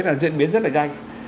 là diễn biến rất là nhanh